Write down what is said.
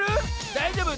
⁉だいじょうぶ？